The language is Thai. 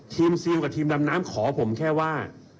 ทีมซีูฮ์ทีมดำน้ำขอผมแค่ว่า